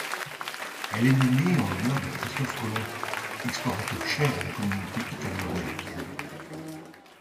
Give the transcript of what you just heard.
Elle est nommée en l'honneur de Christophe Colomb, explorateur cher à la communauté italo-américaine.